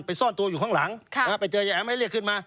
ซ่อนตัวอยู่ข้างหลังไปเจอยายแอ๋มให้เรียกขึ้นมา